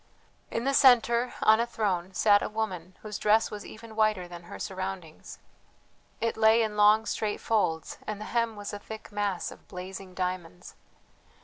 In the centre, on a throne, sat a woman whose dress was even whiter than her surroundings. It lay in long straight folds, and the hem was a thick mass of blazing diamonds.